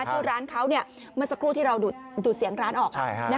ชื่อร้านเขาเมื่อสักครู่ที่เราดูดเสียงร้านออก